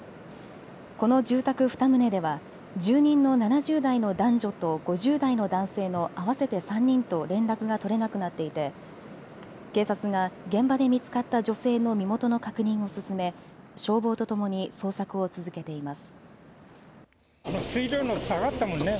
この住宅２棟では住人の７０代の男女と５０代の男性の合わせて３人と連絡が取れなくなっていて警察が現場で見つかった女性の身元の確認を進め、消防とともに捜索を続けています。